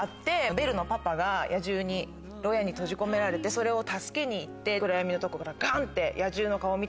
ベルのパパが野獣にろう屋に閉じ込められてそれを助けに行って暗闇のとこからガンって。